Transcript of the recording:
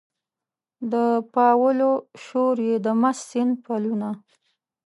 د پاولو شور یې د مست سیند پلونه